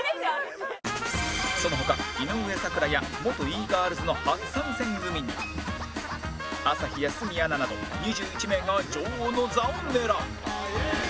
その他井上咲楽や元 Ｅ−ｇｉｒｌｓ の初参戦組に朝日や鷲見アナなど２１名が女王の座を狙う